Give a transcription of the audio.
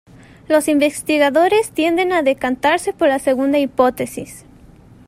Los investigadores tienden a decantarse por la segunda hipótesis.